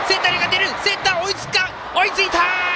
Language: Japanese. センター追いついた！